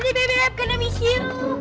jadi bebet kena miss you